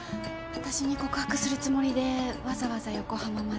あたしに告白するつもりでわざわざ横浜まで。